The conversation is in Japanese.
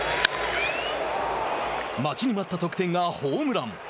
待ちに待った得点がホームラン。